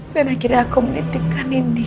dan akhirnya aku menitikkan ini